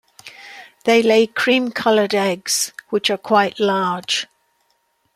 They lay cream-colored eggs which are quite large.